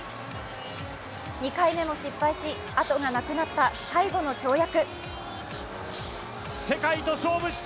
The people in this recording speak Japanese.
２回目も失敗し、あとがなくなった最後の跳躍。